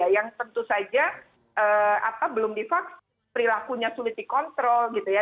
yang tentu saja belum divaksin perilakunya sulit dikontrol gitu ya